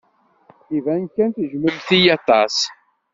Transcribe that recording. Iban kan tejjmemt-iyi aṭas.